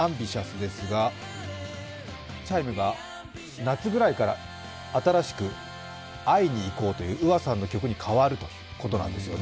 ですが、チャイムが夏くらいから新しく「会いにいこう」というＵＡさんの曲に変わるということなんですよね。